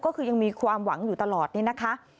ก็คือยังมีความหวังอยู่ตลอดนี่นะคะ